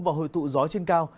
và hồi tụ gió trên cao